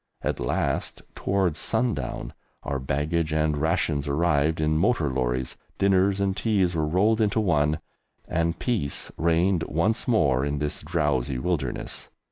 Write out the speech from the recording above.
At last, towards sundown, our baggage and rations arrived in motor lorries, dinners and teas were rolled into one, and peace reigned once more in this drowsy wilderness.